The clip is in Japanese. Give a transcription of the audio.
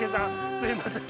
すいません。